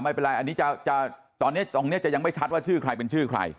ไม่เป็นไรอันนี้จะจะตอนเนี้ยตรงเนี้ยจะยังไม่ชัดว่าชื่อใครเป็นชื่อใคร